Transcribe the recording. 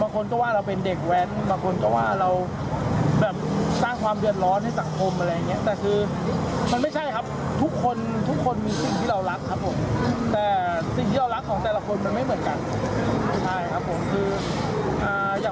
จริงพวกผมไม่ใช่นะครับ